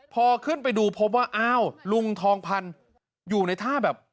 พอขึ้นไปดูพบว่าอ้าวลุงทองพันธุ์อยู่ในท่าแบบ